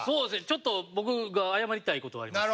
ちょっと僕が謝りたいことがありまして。